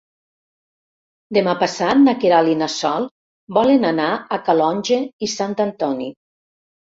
Demà passat na Queralt i na Sol volen anar a Calonge i Sant Antoni.